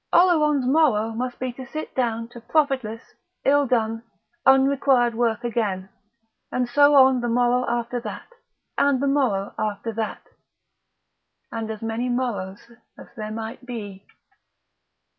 Oleron's morrow must be to sit down to profitless, ill done, unrequired work again, and so on the morrow after that, and the morrow after that, and as many morrows as there might be....